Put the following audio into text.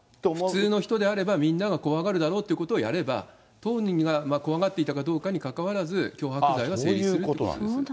普通の人あればみんなが怖がるだろうということをやれば、当人が怖がっていたかどうかに関わらず、そういうことなんですね。